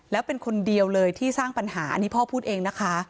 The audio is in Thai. แล้วเป็นคนเดียวเลยที่สร้างปัญหาอันนี้พ่อพูดเองนะคะ